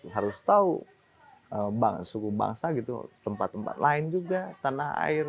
harus tahu suku bangsa gitu tempat tempat lain juga tanah air